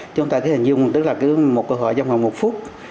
chúng ta cứ hình dung tức là cứ một câu hỏi trong khoảng một phút